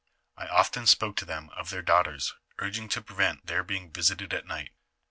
I often spoke to them of their daughters, urging them to prevent their being visited at nigbt.